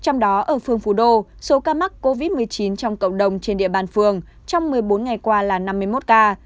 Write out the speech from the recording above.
trong đó ở phương phú đô số ca mắc covid một mươi chín trong cộng đồng trên địa bàn phường trong một mươi bốn ngày qua là năm mươi một ca